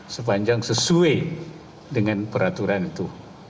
sepanjang sesuai dengan peraturan itu